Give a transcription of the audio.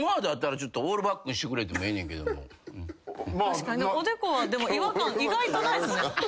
確かにおでこはでも違和感意外とないですね。